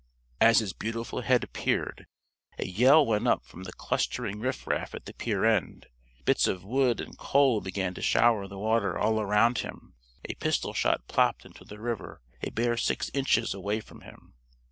As his beautiful head appeared, a yell went up from the clustering riff raff at the pier end. Bits of wood and coal began to shower the water all around him. A pistol shot plopped into the river a bare six inches away from him.